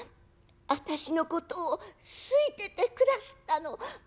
私のことを好いててくだすったの？